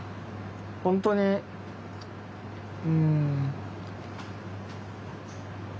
本当にうん。